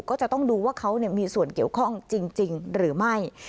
ก็จะต้องดูว่าเขามีส่วนเกี่ยวข้องจริงหรือไม่